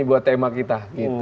buat tema kita